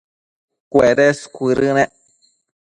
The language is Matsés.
cuedes cuëdënec